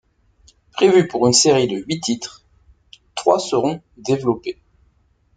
Prévu pour une série de huit titres, trois seront développés.